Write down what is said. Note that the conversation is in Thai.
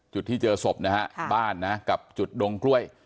จุดที่เจอศพนะฮะบ้านนะกับจุดดงกล้วย